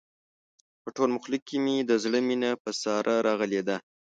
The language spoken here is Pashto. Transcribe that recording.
په ټول مخلوق کې مې د زړه مینه په ساره راغلې ده.